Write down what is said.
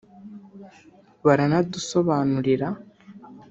baranadusobanurira”